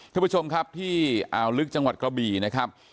ท่านผู้ชมครับที่อ่าวลึกจังหวัดกระบี่นะครับ